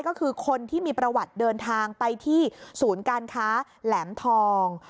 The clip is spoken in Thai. ก็คือคนที่มีประวัติเดินทางไปที่ศูนย์การค้าแหลมทอง